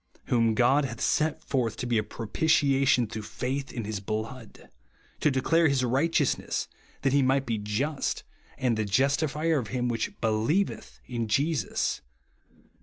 "Whom God hath set forth to be a propitiation through faith in his blood .... to declare his righteousness : that he might be just, and the justifier of him which helieveth in Jesus," (Rom.